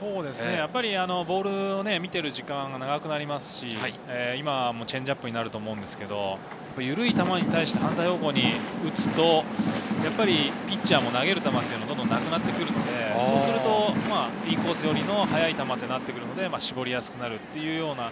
ボールを見ている時間が長くなりますし、今はチェンジアップだったと思うんですけれど、ゆるい球に対して反対方向に打つと、ピッチャーも投げる球がなくなってくるので、そうするとインコース寄りの速い球となるので絞りやすくなる。